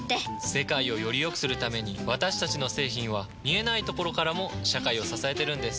世界をよりよくするために私たちの製品は見えないところからも社会を支えてるんです。